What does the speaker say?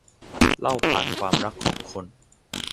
เล่าผ่านความรักของคน